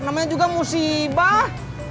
namanya juga musibah